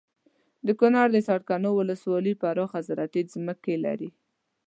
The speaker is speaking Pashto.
دکنړ سرکاڼو ولسوالي پراخه زراعتي ځمکې لري